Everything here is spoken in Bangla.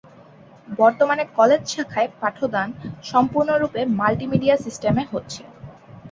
বর্তমানে কলেজ শাখায় পাঠদান সম্পূর্ণরূপে মাল্টিমিডিয়া সিস্টেমে হচ্ছে।